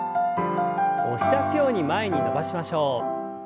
押し出すように前に伸ばしましょう。